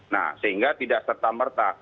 nah sehingga tidak serta merta